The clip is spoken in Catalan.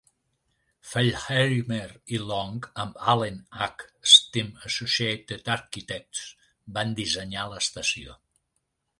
Fellheimer i Long amb Allen H. Stem Associated Architects van dissenyar l'estació.